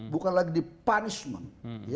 bukan lagi di punishment